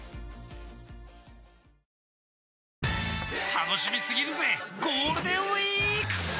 たのしみすぎるぜゴールデーンウィーーーーーク！